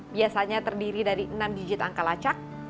biasanya terdiri dari enam digit angka lacak